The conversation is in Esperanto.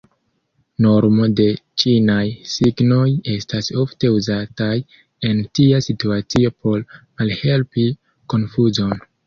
Normo de ĉinaj signoj estas ofte uzataj en tia situacio por malhelpi konfuzon.